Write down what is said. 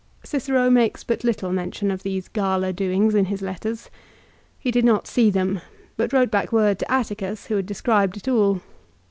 Cicero makes but little mention of these gala doings in his letters. He did not see them, but wrote back word to Atticus, who had described it all.